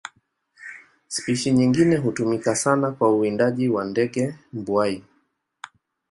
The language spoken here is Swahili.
Spishi nyingine hutumika sana kwa uwindaji kwa ndege mbuai.